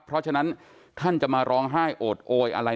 เพราะฉะนั้นท่านจะมาร้องไห้โอดโอยอะไร